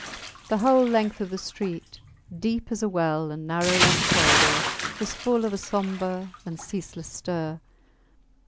The whole length of the street, deep as a well and narrow like a corridor, was full of a sombre and ceaseless stir.